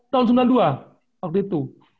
tahun sembilan puluh dua waktu itu